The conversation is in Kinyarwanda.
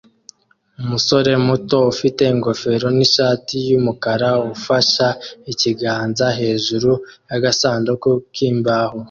Umusore muto ufite ingofero nishati yumukara ufashe ikiganza hejuru yagasanduku k'imbaho